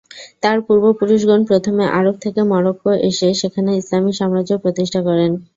তার পূর্বপুরুষগণ প্রথমে আরব থেকে মরক্কো এসে সেখানে ইসলামি সাম্রাজ্য প্রতিষ্ঠা করেন।